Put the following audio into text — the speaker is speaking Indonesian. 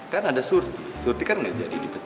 kan ada surti surti kan nggak jadi dipecat